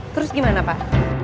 terus gimana pak